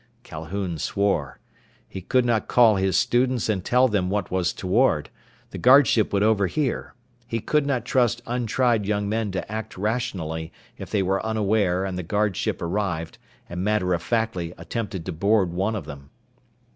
Calhoun swore. He could not call his students and tell them what was toward. The guard ship would overhear. He could not trust untried young men to act rationally if they were unaware and the guard ship arrived and matter of factly attempted to board one of them.